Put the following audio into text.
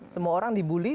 semua orang dibully